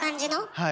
はい。